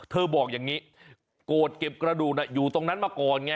บอกอย่างนี้โกรธเก็บกระดูกอยู่ตรงนั้นมาก่อนไง